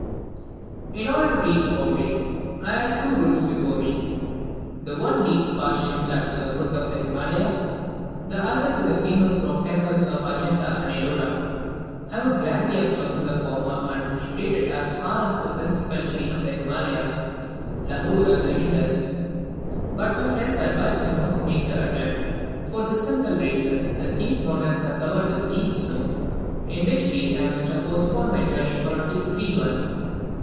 In order to reach Bombay, I had two routes before me; the one leads past Simla to the foot of the Himalayas, the other to the famous rock temples of Adjunta and Elora. I would gladly have chosen the former, and have penetrated as far as the principal chain of the Himalayas Lahore and the Indus; but my friends advised me not to make the attempt, for the simple reason, that these mountains were covered with deep snow, in which case I must have postponed my journey for at least three months.